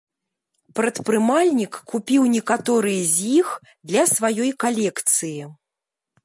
Прадпрымальнік купіў некаторыя з іх для сваёй калекцыі.